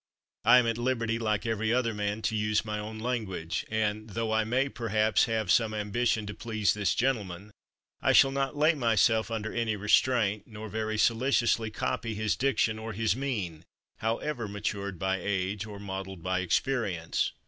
I am at liberty like every other man to use my own language ; and tho I may, perhaps, have some ambition to please this gentleman, I shall not lay myself under any restraint, nor very solicit ously copy his diction or his mien, however ma tured by age or modeled by experience.